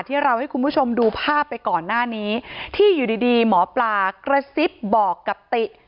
ที่เราให้คุณผู้ชมดูภาพไปก่อนหน้านี้ที่อยู่ดีดีหมอปลากระซิบบอกกับติ